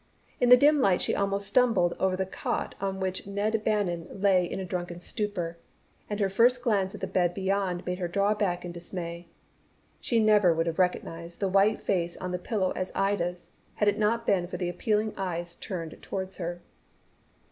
In the dim light she almost stumbled over the cot on which Ned Bannon lay in a drunken stupor, and her first glance at the bed beyond made her draw back in dismay. She never would have recognized the white face on the pillow as Ida's, had it not been for the appealing eyes turned towards her.